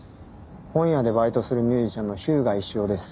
本屋でバイトするミュージシャンの日向石雄です。